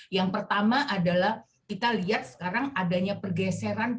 yang pertama adalah kita lihat sekarang adanya pergeseran perilaku masyarakat ke pola konsumsi